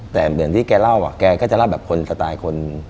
แต่เหมือนที่แกเล่าแกก็จะเล่าแบบคนสไตล์คน